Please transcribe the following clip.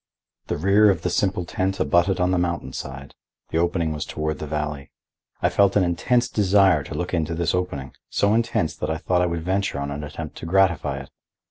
The rear of the simple tent abutted on the mountain side; the opening was toward the valley. I felt an intense desire to look into this opening,—so intense that I thought I would venture on an attempt to gratify it.